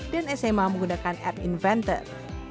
dan sma menggunakan app inventor